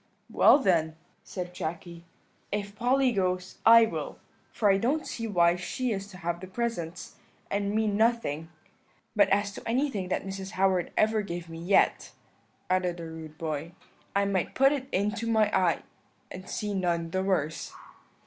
"'Well then,' said Jacky, 'if Polly goes, I will; for I don't see why she is to have the presents, and me nothing but as to anything that Mrs. Howard ever gave me yet,' added the rude boy, 'I might put it into my eye and see none the worse.'